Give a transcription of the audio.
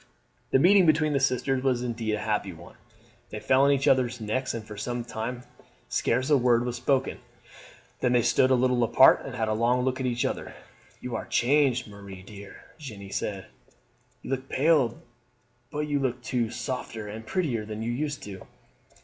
The meeting between the sisters was indeed a happy one. They fell on each other's necks, and for some time scarce a word was spoken; then they stood a little apart and had a long look at each other. "You are changed, Marie dear," Jeanne said; "you look pale, but you look, too, softer and prettier than you used to."